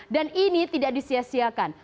dan ini tidak disiasiakan